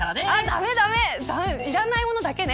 駄目、駄目いらないものだけね。